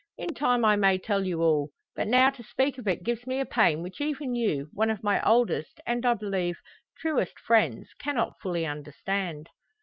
In time I may tell you all; but now to speak of it gives me a pain which even you, one of my oldest, and I believe, truest friends cannot fully understand."